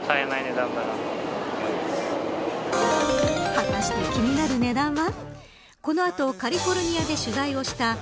果たして気になる値段は。